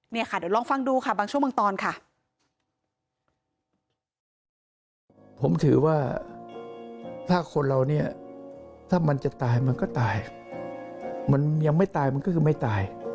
เดี๋ยวลองฟังดูบางช่วงบางตอนค่ะ